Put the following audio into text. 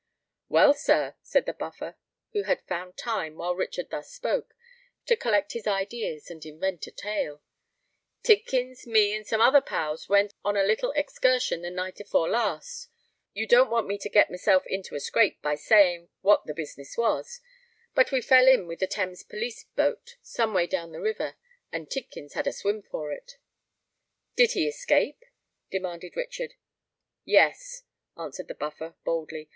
"Well, sir," said the Buffer, who had found time, while Richard thus spoke, to collect his ideas and invent a tale, "Tidkins, me, and some other pals went on a little excursion the night afore last—you don't want me to get myself into a scrape by saying what the business was; but we fell in with a Thames police boat some way down the river; and Tidkins had a swim for it." "Did he escape?" demanded Richard. "Yes," answered the Buffer, boldly.